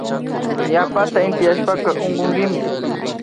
Yapata intiyashpaka unkunkimi